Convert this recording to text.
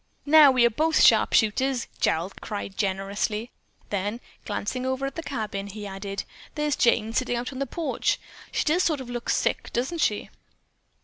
"Now we are both sharpshooters," Gerald cried generously. Then, glancing over at the cabin, he added: "There's Jane sitting out on the porch. She does look sort of sick, doesn't she?"